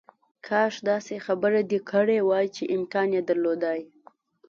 کاش داسې خبره دې کړې وای چې امکان یې درلودای